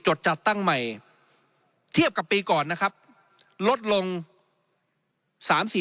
จัดตั้งใหม่เทียบกับปีก่อนนะครับลดลง๓๔